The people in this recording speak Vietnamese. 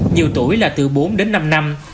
nhiều tuổi là từ bốn đến năm năm